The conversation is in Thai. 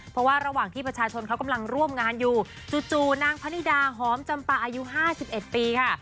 เพราะว่าระหว่างที่ประชาชนเขากำลังร่วมงานอยู่จู่นางพนิดาหอมจำปาอายุ๕๑ปีค่ะ